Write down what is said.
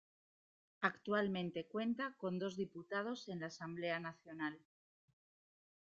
Actualmente cuenta con dos diputados en la Asamblea nacional.